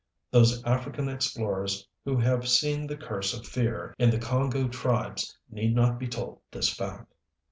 Those African explorers who have seen the curse of fear in the Congo tribes need not be told this fact.